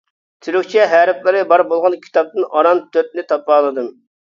تۈركچە ھەرپلىرى بار بولغان كىتابتىن ئاران تۆتنى تاپالىدىم.